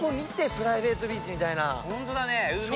プライベートビーチみたいな。